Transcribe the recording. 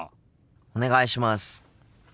お願いします。